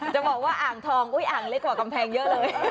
จะบอกว่าอ่างทองอ่างเล็กกว่ากำแพงเยอะเลย